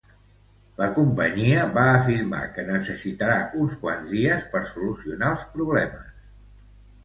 La companyia va afirmar que necessitarà uns quants dies per solucionar els problemes.